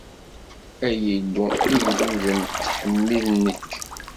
Ay Illu, igduden ttḥemmiden-k.